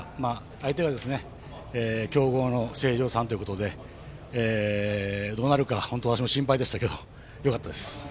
相手は強豪の星稜さんということでどうなるか私も心配でしたがよかったです。